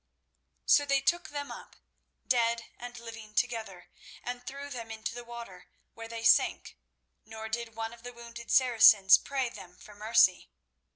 So they took them up, dead and living together, and threw them into the water, where they sank, nor did one of the wounded Saracens pray them for mercy.